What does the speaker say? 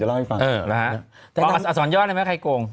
เดี๋ยวผมจะเล่าให้ฟังนะฮะอสอนยอดได้ไหมใครโกง